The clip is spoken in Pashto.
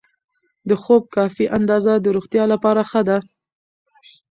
د خوب کافي اندازه د روغتیا لپاره ښه ده.